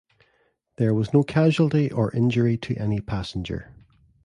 There was no casualty or injury to any passenger.